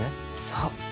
そう。